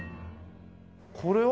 これは？